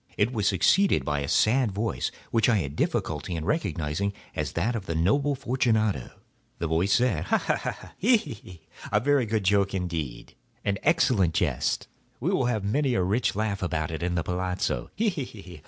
It was succeeded by a sad voice, which I had difficulty in recognising as that of the noble Fortunato. The voice said— "Ha! ha! ha!—he! he!—a very good joke indeed—an excellent jest. We will have many a rich laugh about it at the palazzo—he! he!